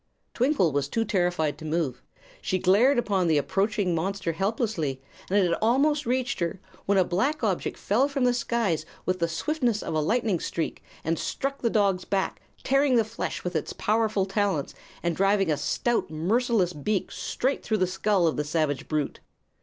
Twinkle was too terrified to move. She glared upon the approaching monster helplessly, and it had almost reached her when a black object fell from the skies with the swiftness of a lightning streak and struck the dog's back, tearing the flesh with its powerful talons and driving a stout, merciless beak straight through the skull of the savage brute.